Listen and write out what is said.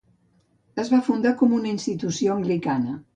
Es va fundar com una institució anglicana.